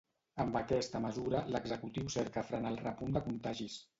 Amb aquesta mesura, l’executiu cerca frenar el repunt de contagis.